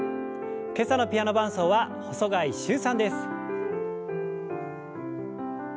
今朝のピアノ伴奏は細貝柊さんです。